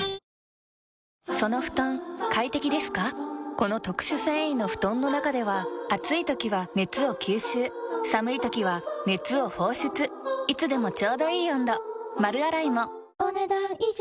この特殊繊維の布団の中では暑い時は熱を吸収寒い時は熱を放出いつでもちょうどいい温度丸洗いもお、ねだん以上。